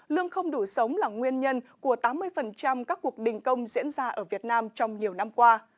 lương không đủ sống là nguyên nhân của tám mươi các cuộc đình công diễn ra ở việt nam trong nhiều năm qua